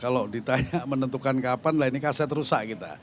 kalau ditanya menentukan kapan lah ini kaset rusak kita